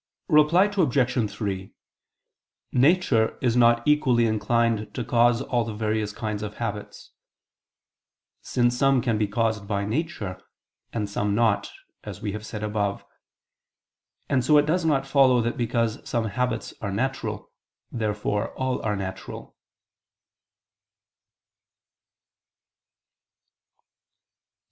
Reply Obj. 3: Nature is not equally inclined to cause all the various kinds of habits: since some can be caused by nature, and some not, as we have said above. And so it does not follow that because some habits are natural, therefore all are natural.